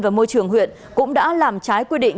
và môi trường huyện cũng đã làm trái quy định